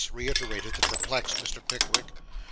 reiterated the perplexed Mr. Pickwick.